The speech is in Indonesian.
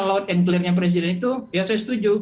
loud and clear nya presiden itu ya saya setuju